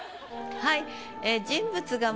はい。